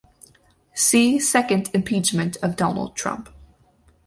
See Second Impeachment of Donald Trump.